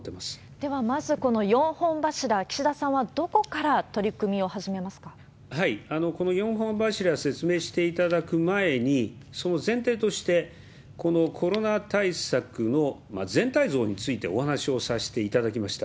では、まずこの４本柱、岸田さんはどこから取り組みを始めまこの４本柱、説明していただく前に、その前提として、このコロナ対策の全体像についてお話をさせていただきました。